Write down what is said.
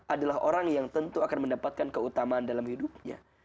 adalah orang yang tentu akan mendapatkan keutamaan dalam hidupnya